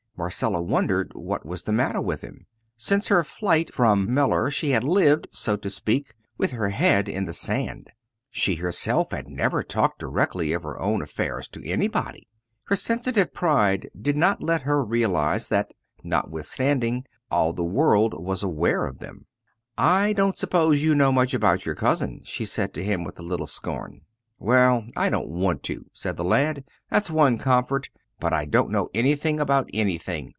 Marcella wondered what was the matter with him. Since her flight from Mellor she had lived, so to speak, with her head in the sand. She herself had never talked directly of her own affairs to anybody. Her sensitive pride did not let her realise that, notwithstanding, all the world was aware of them. "I don't suppose you know much about your cousin!" she said to him with a little scorn. "Well, I don't want to!" said the lad, "that's one comfort! But I don't know anything about anything!